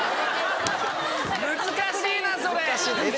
難しいなそれ。